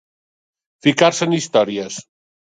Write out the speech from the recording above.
Ficar-se en històries.